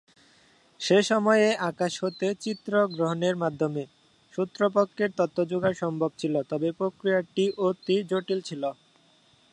সেসময়ে আকাশ হতে চিত্রগ্রহণের মাধ্যমে শত্রুপক্ষের তথ্য জোগাড় সম্ভব ছিলো তবে প্রক্রিয়াটি অতি জটিল ছিলো।